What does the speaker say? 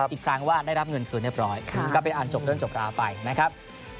อีกครั้งว่าได้รับเงินคืนเรียบร้อยก็เป็นอันจบเรื่องจบราวไปนะครับ